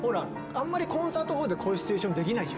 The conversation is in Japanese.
あんまりコンサートホールでこういうシチュエーションできないじゃない。